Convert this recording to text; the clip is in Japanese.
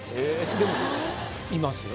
でもいますよ。